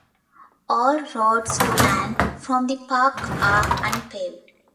All roads to and from the park are unpaved.